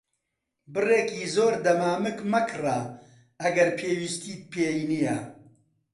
بڕێکی زۆر دەمامک مەکڕە ئەگەر پێویستیت پێی نییە.